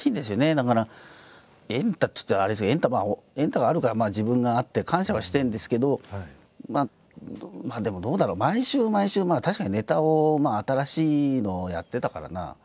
だから「エンタ」っていったらあれですけど「エンタ」があるから自分があって感謝はしてるんですけどまあでもどうだろう毎週毎週確かにネタを新しいのをやってたからな。